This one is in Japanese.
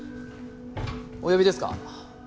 お呼びですか？